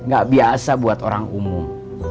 gak biasa buat orang umum